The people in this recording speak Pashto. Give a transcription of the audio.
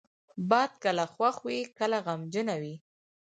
باد کله خوښ وي، کله غمجنه وي